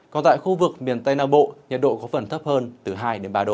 còn tại khu vực miền tây nam bộ nhiệt độ có phần thấp hơn từ hai đến ba độ